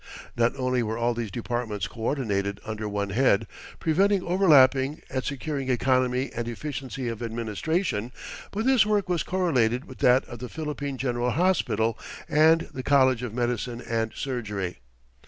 Not only were all these departments coördinated under one head, preventing overlapping and securing economy and efficiency of administration, but this work was correlated with that of the Philippine General Hospital and the College of Medicine and Surgery.